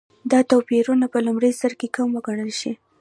دا توپیرونه په لومړي سرکې کم وګڼل شي.